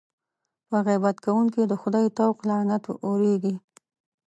په غیبت کوونکي د خدای طوق لعنت اورېږي.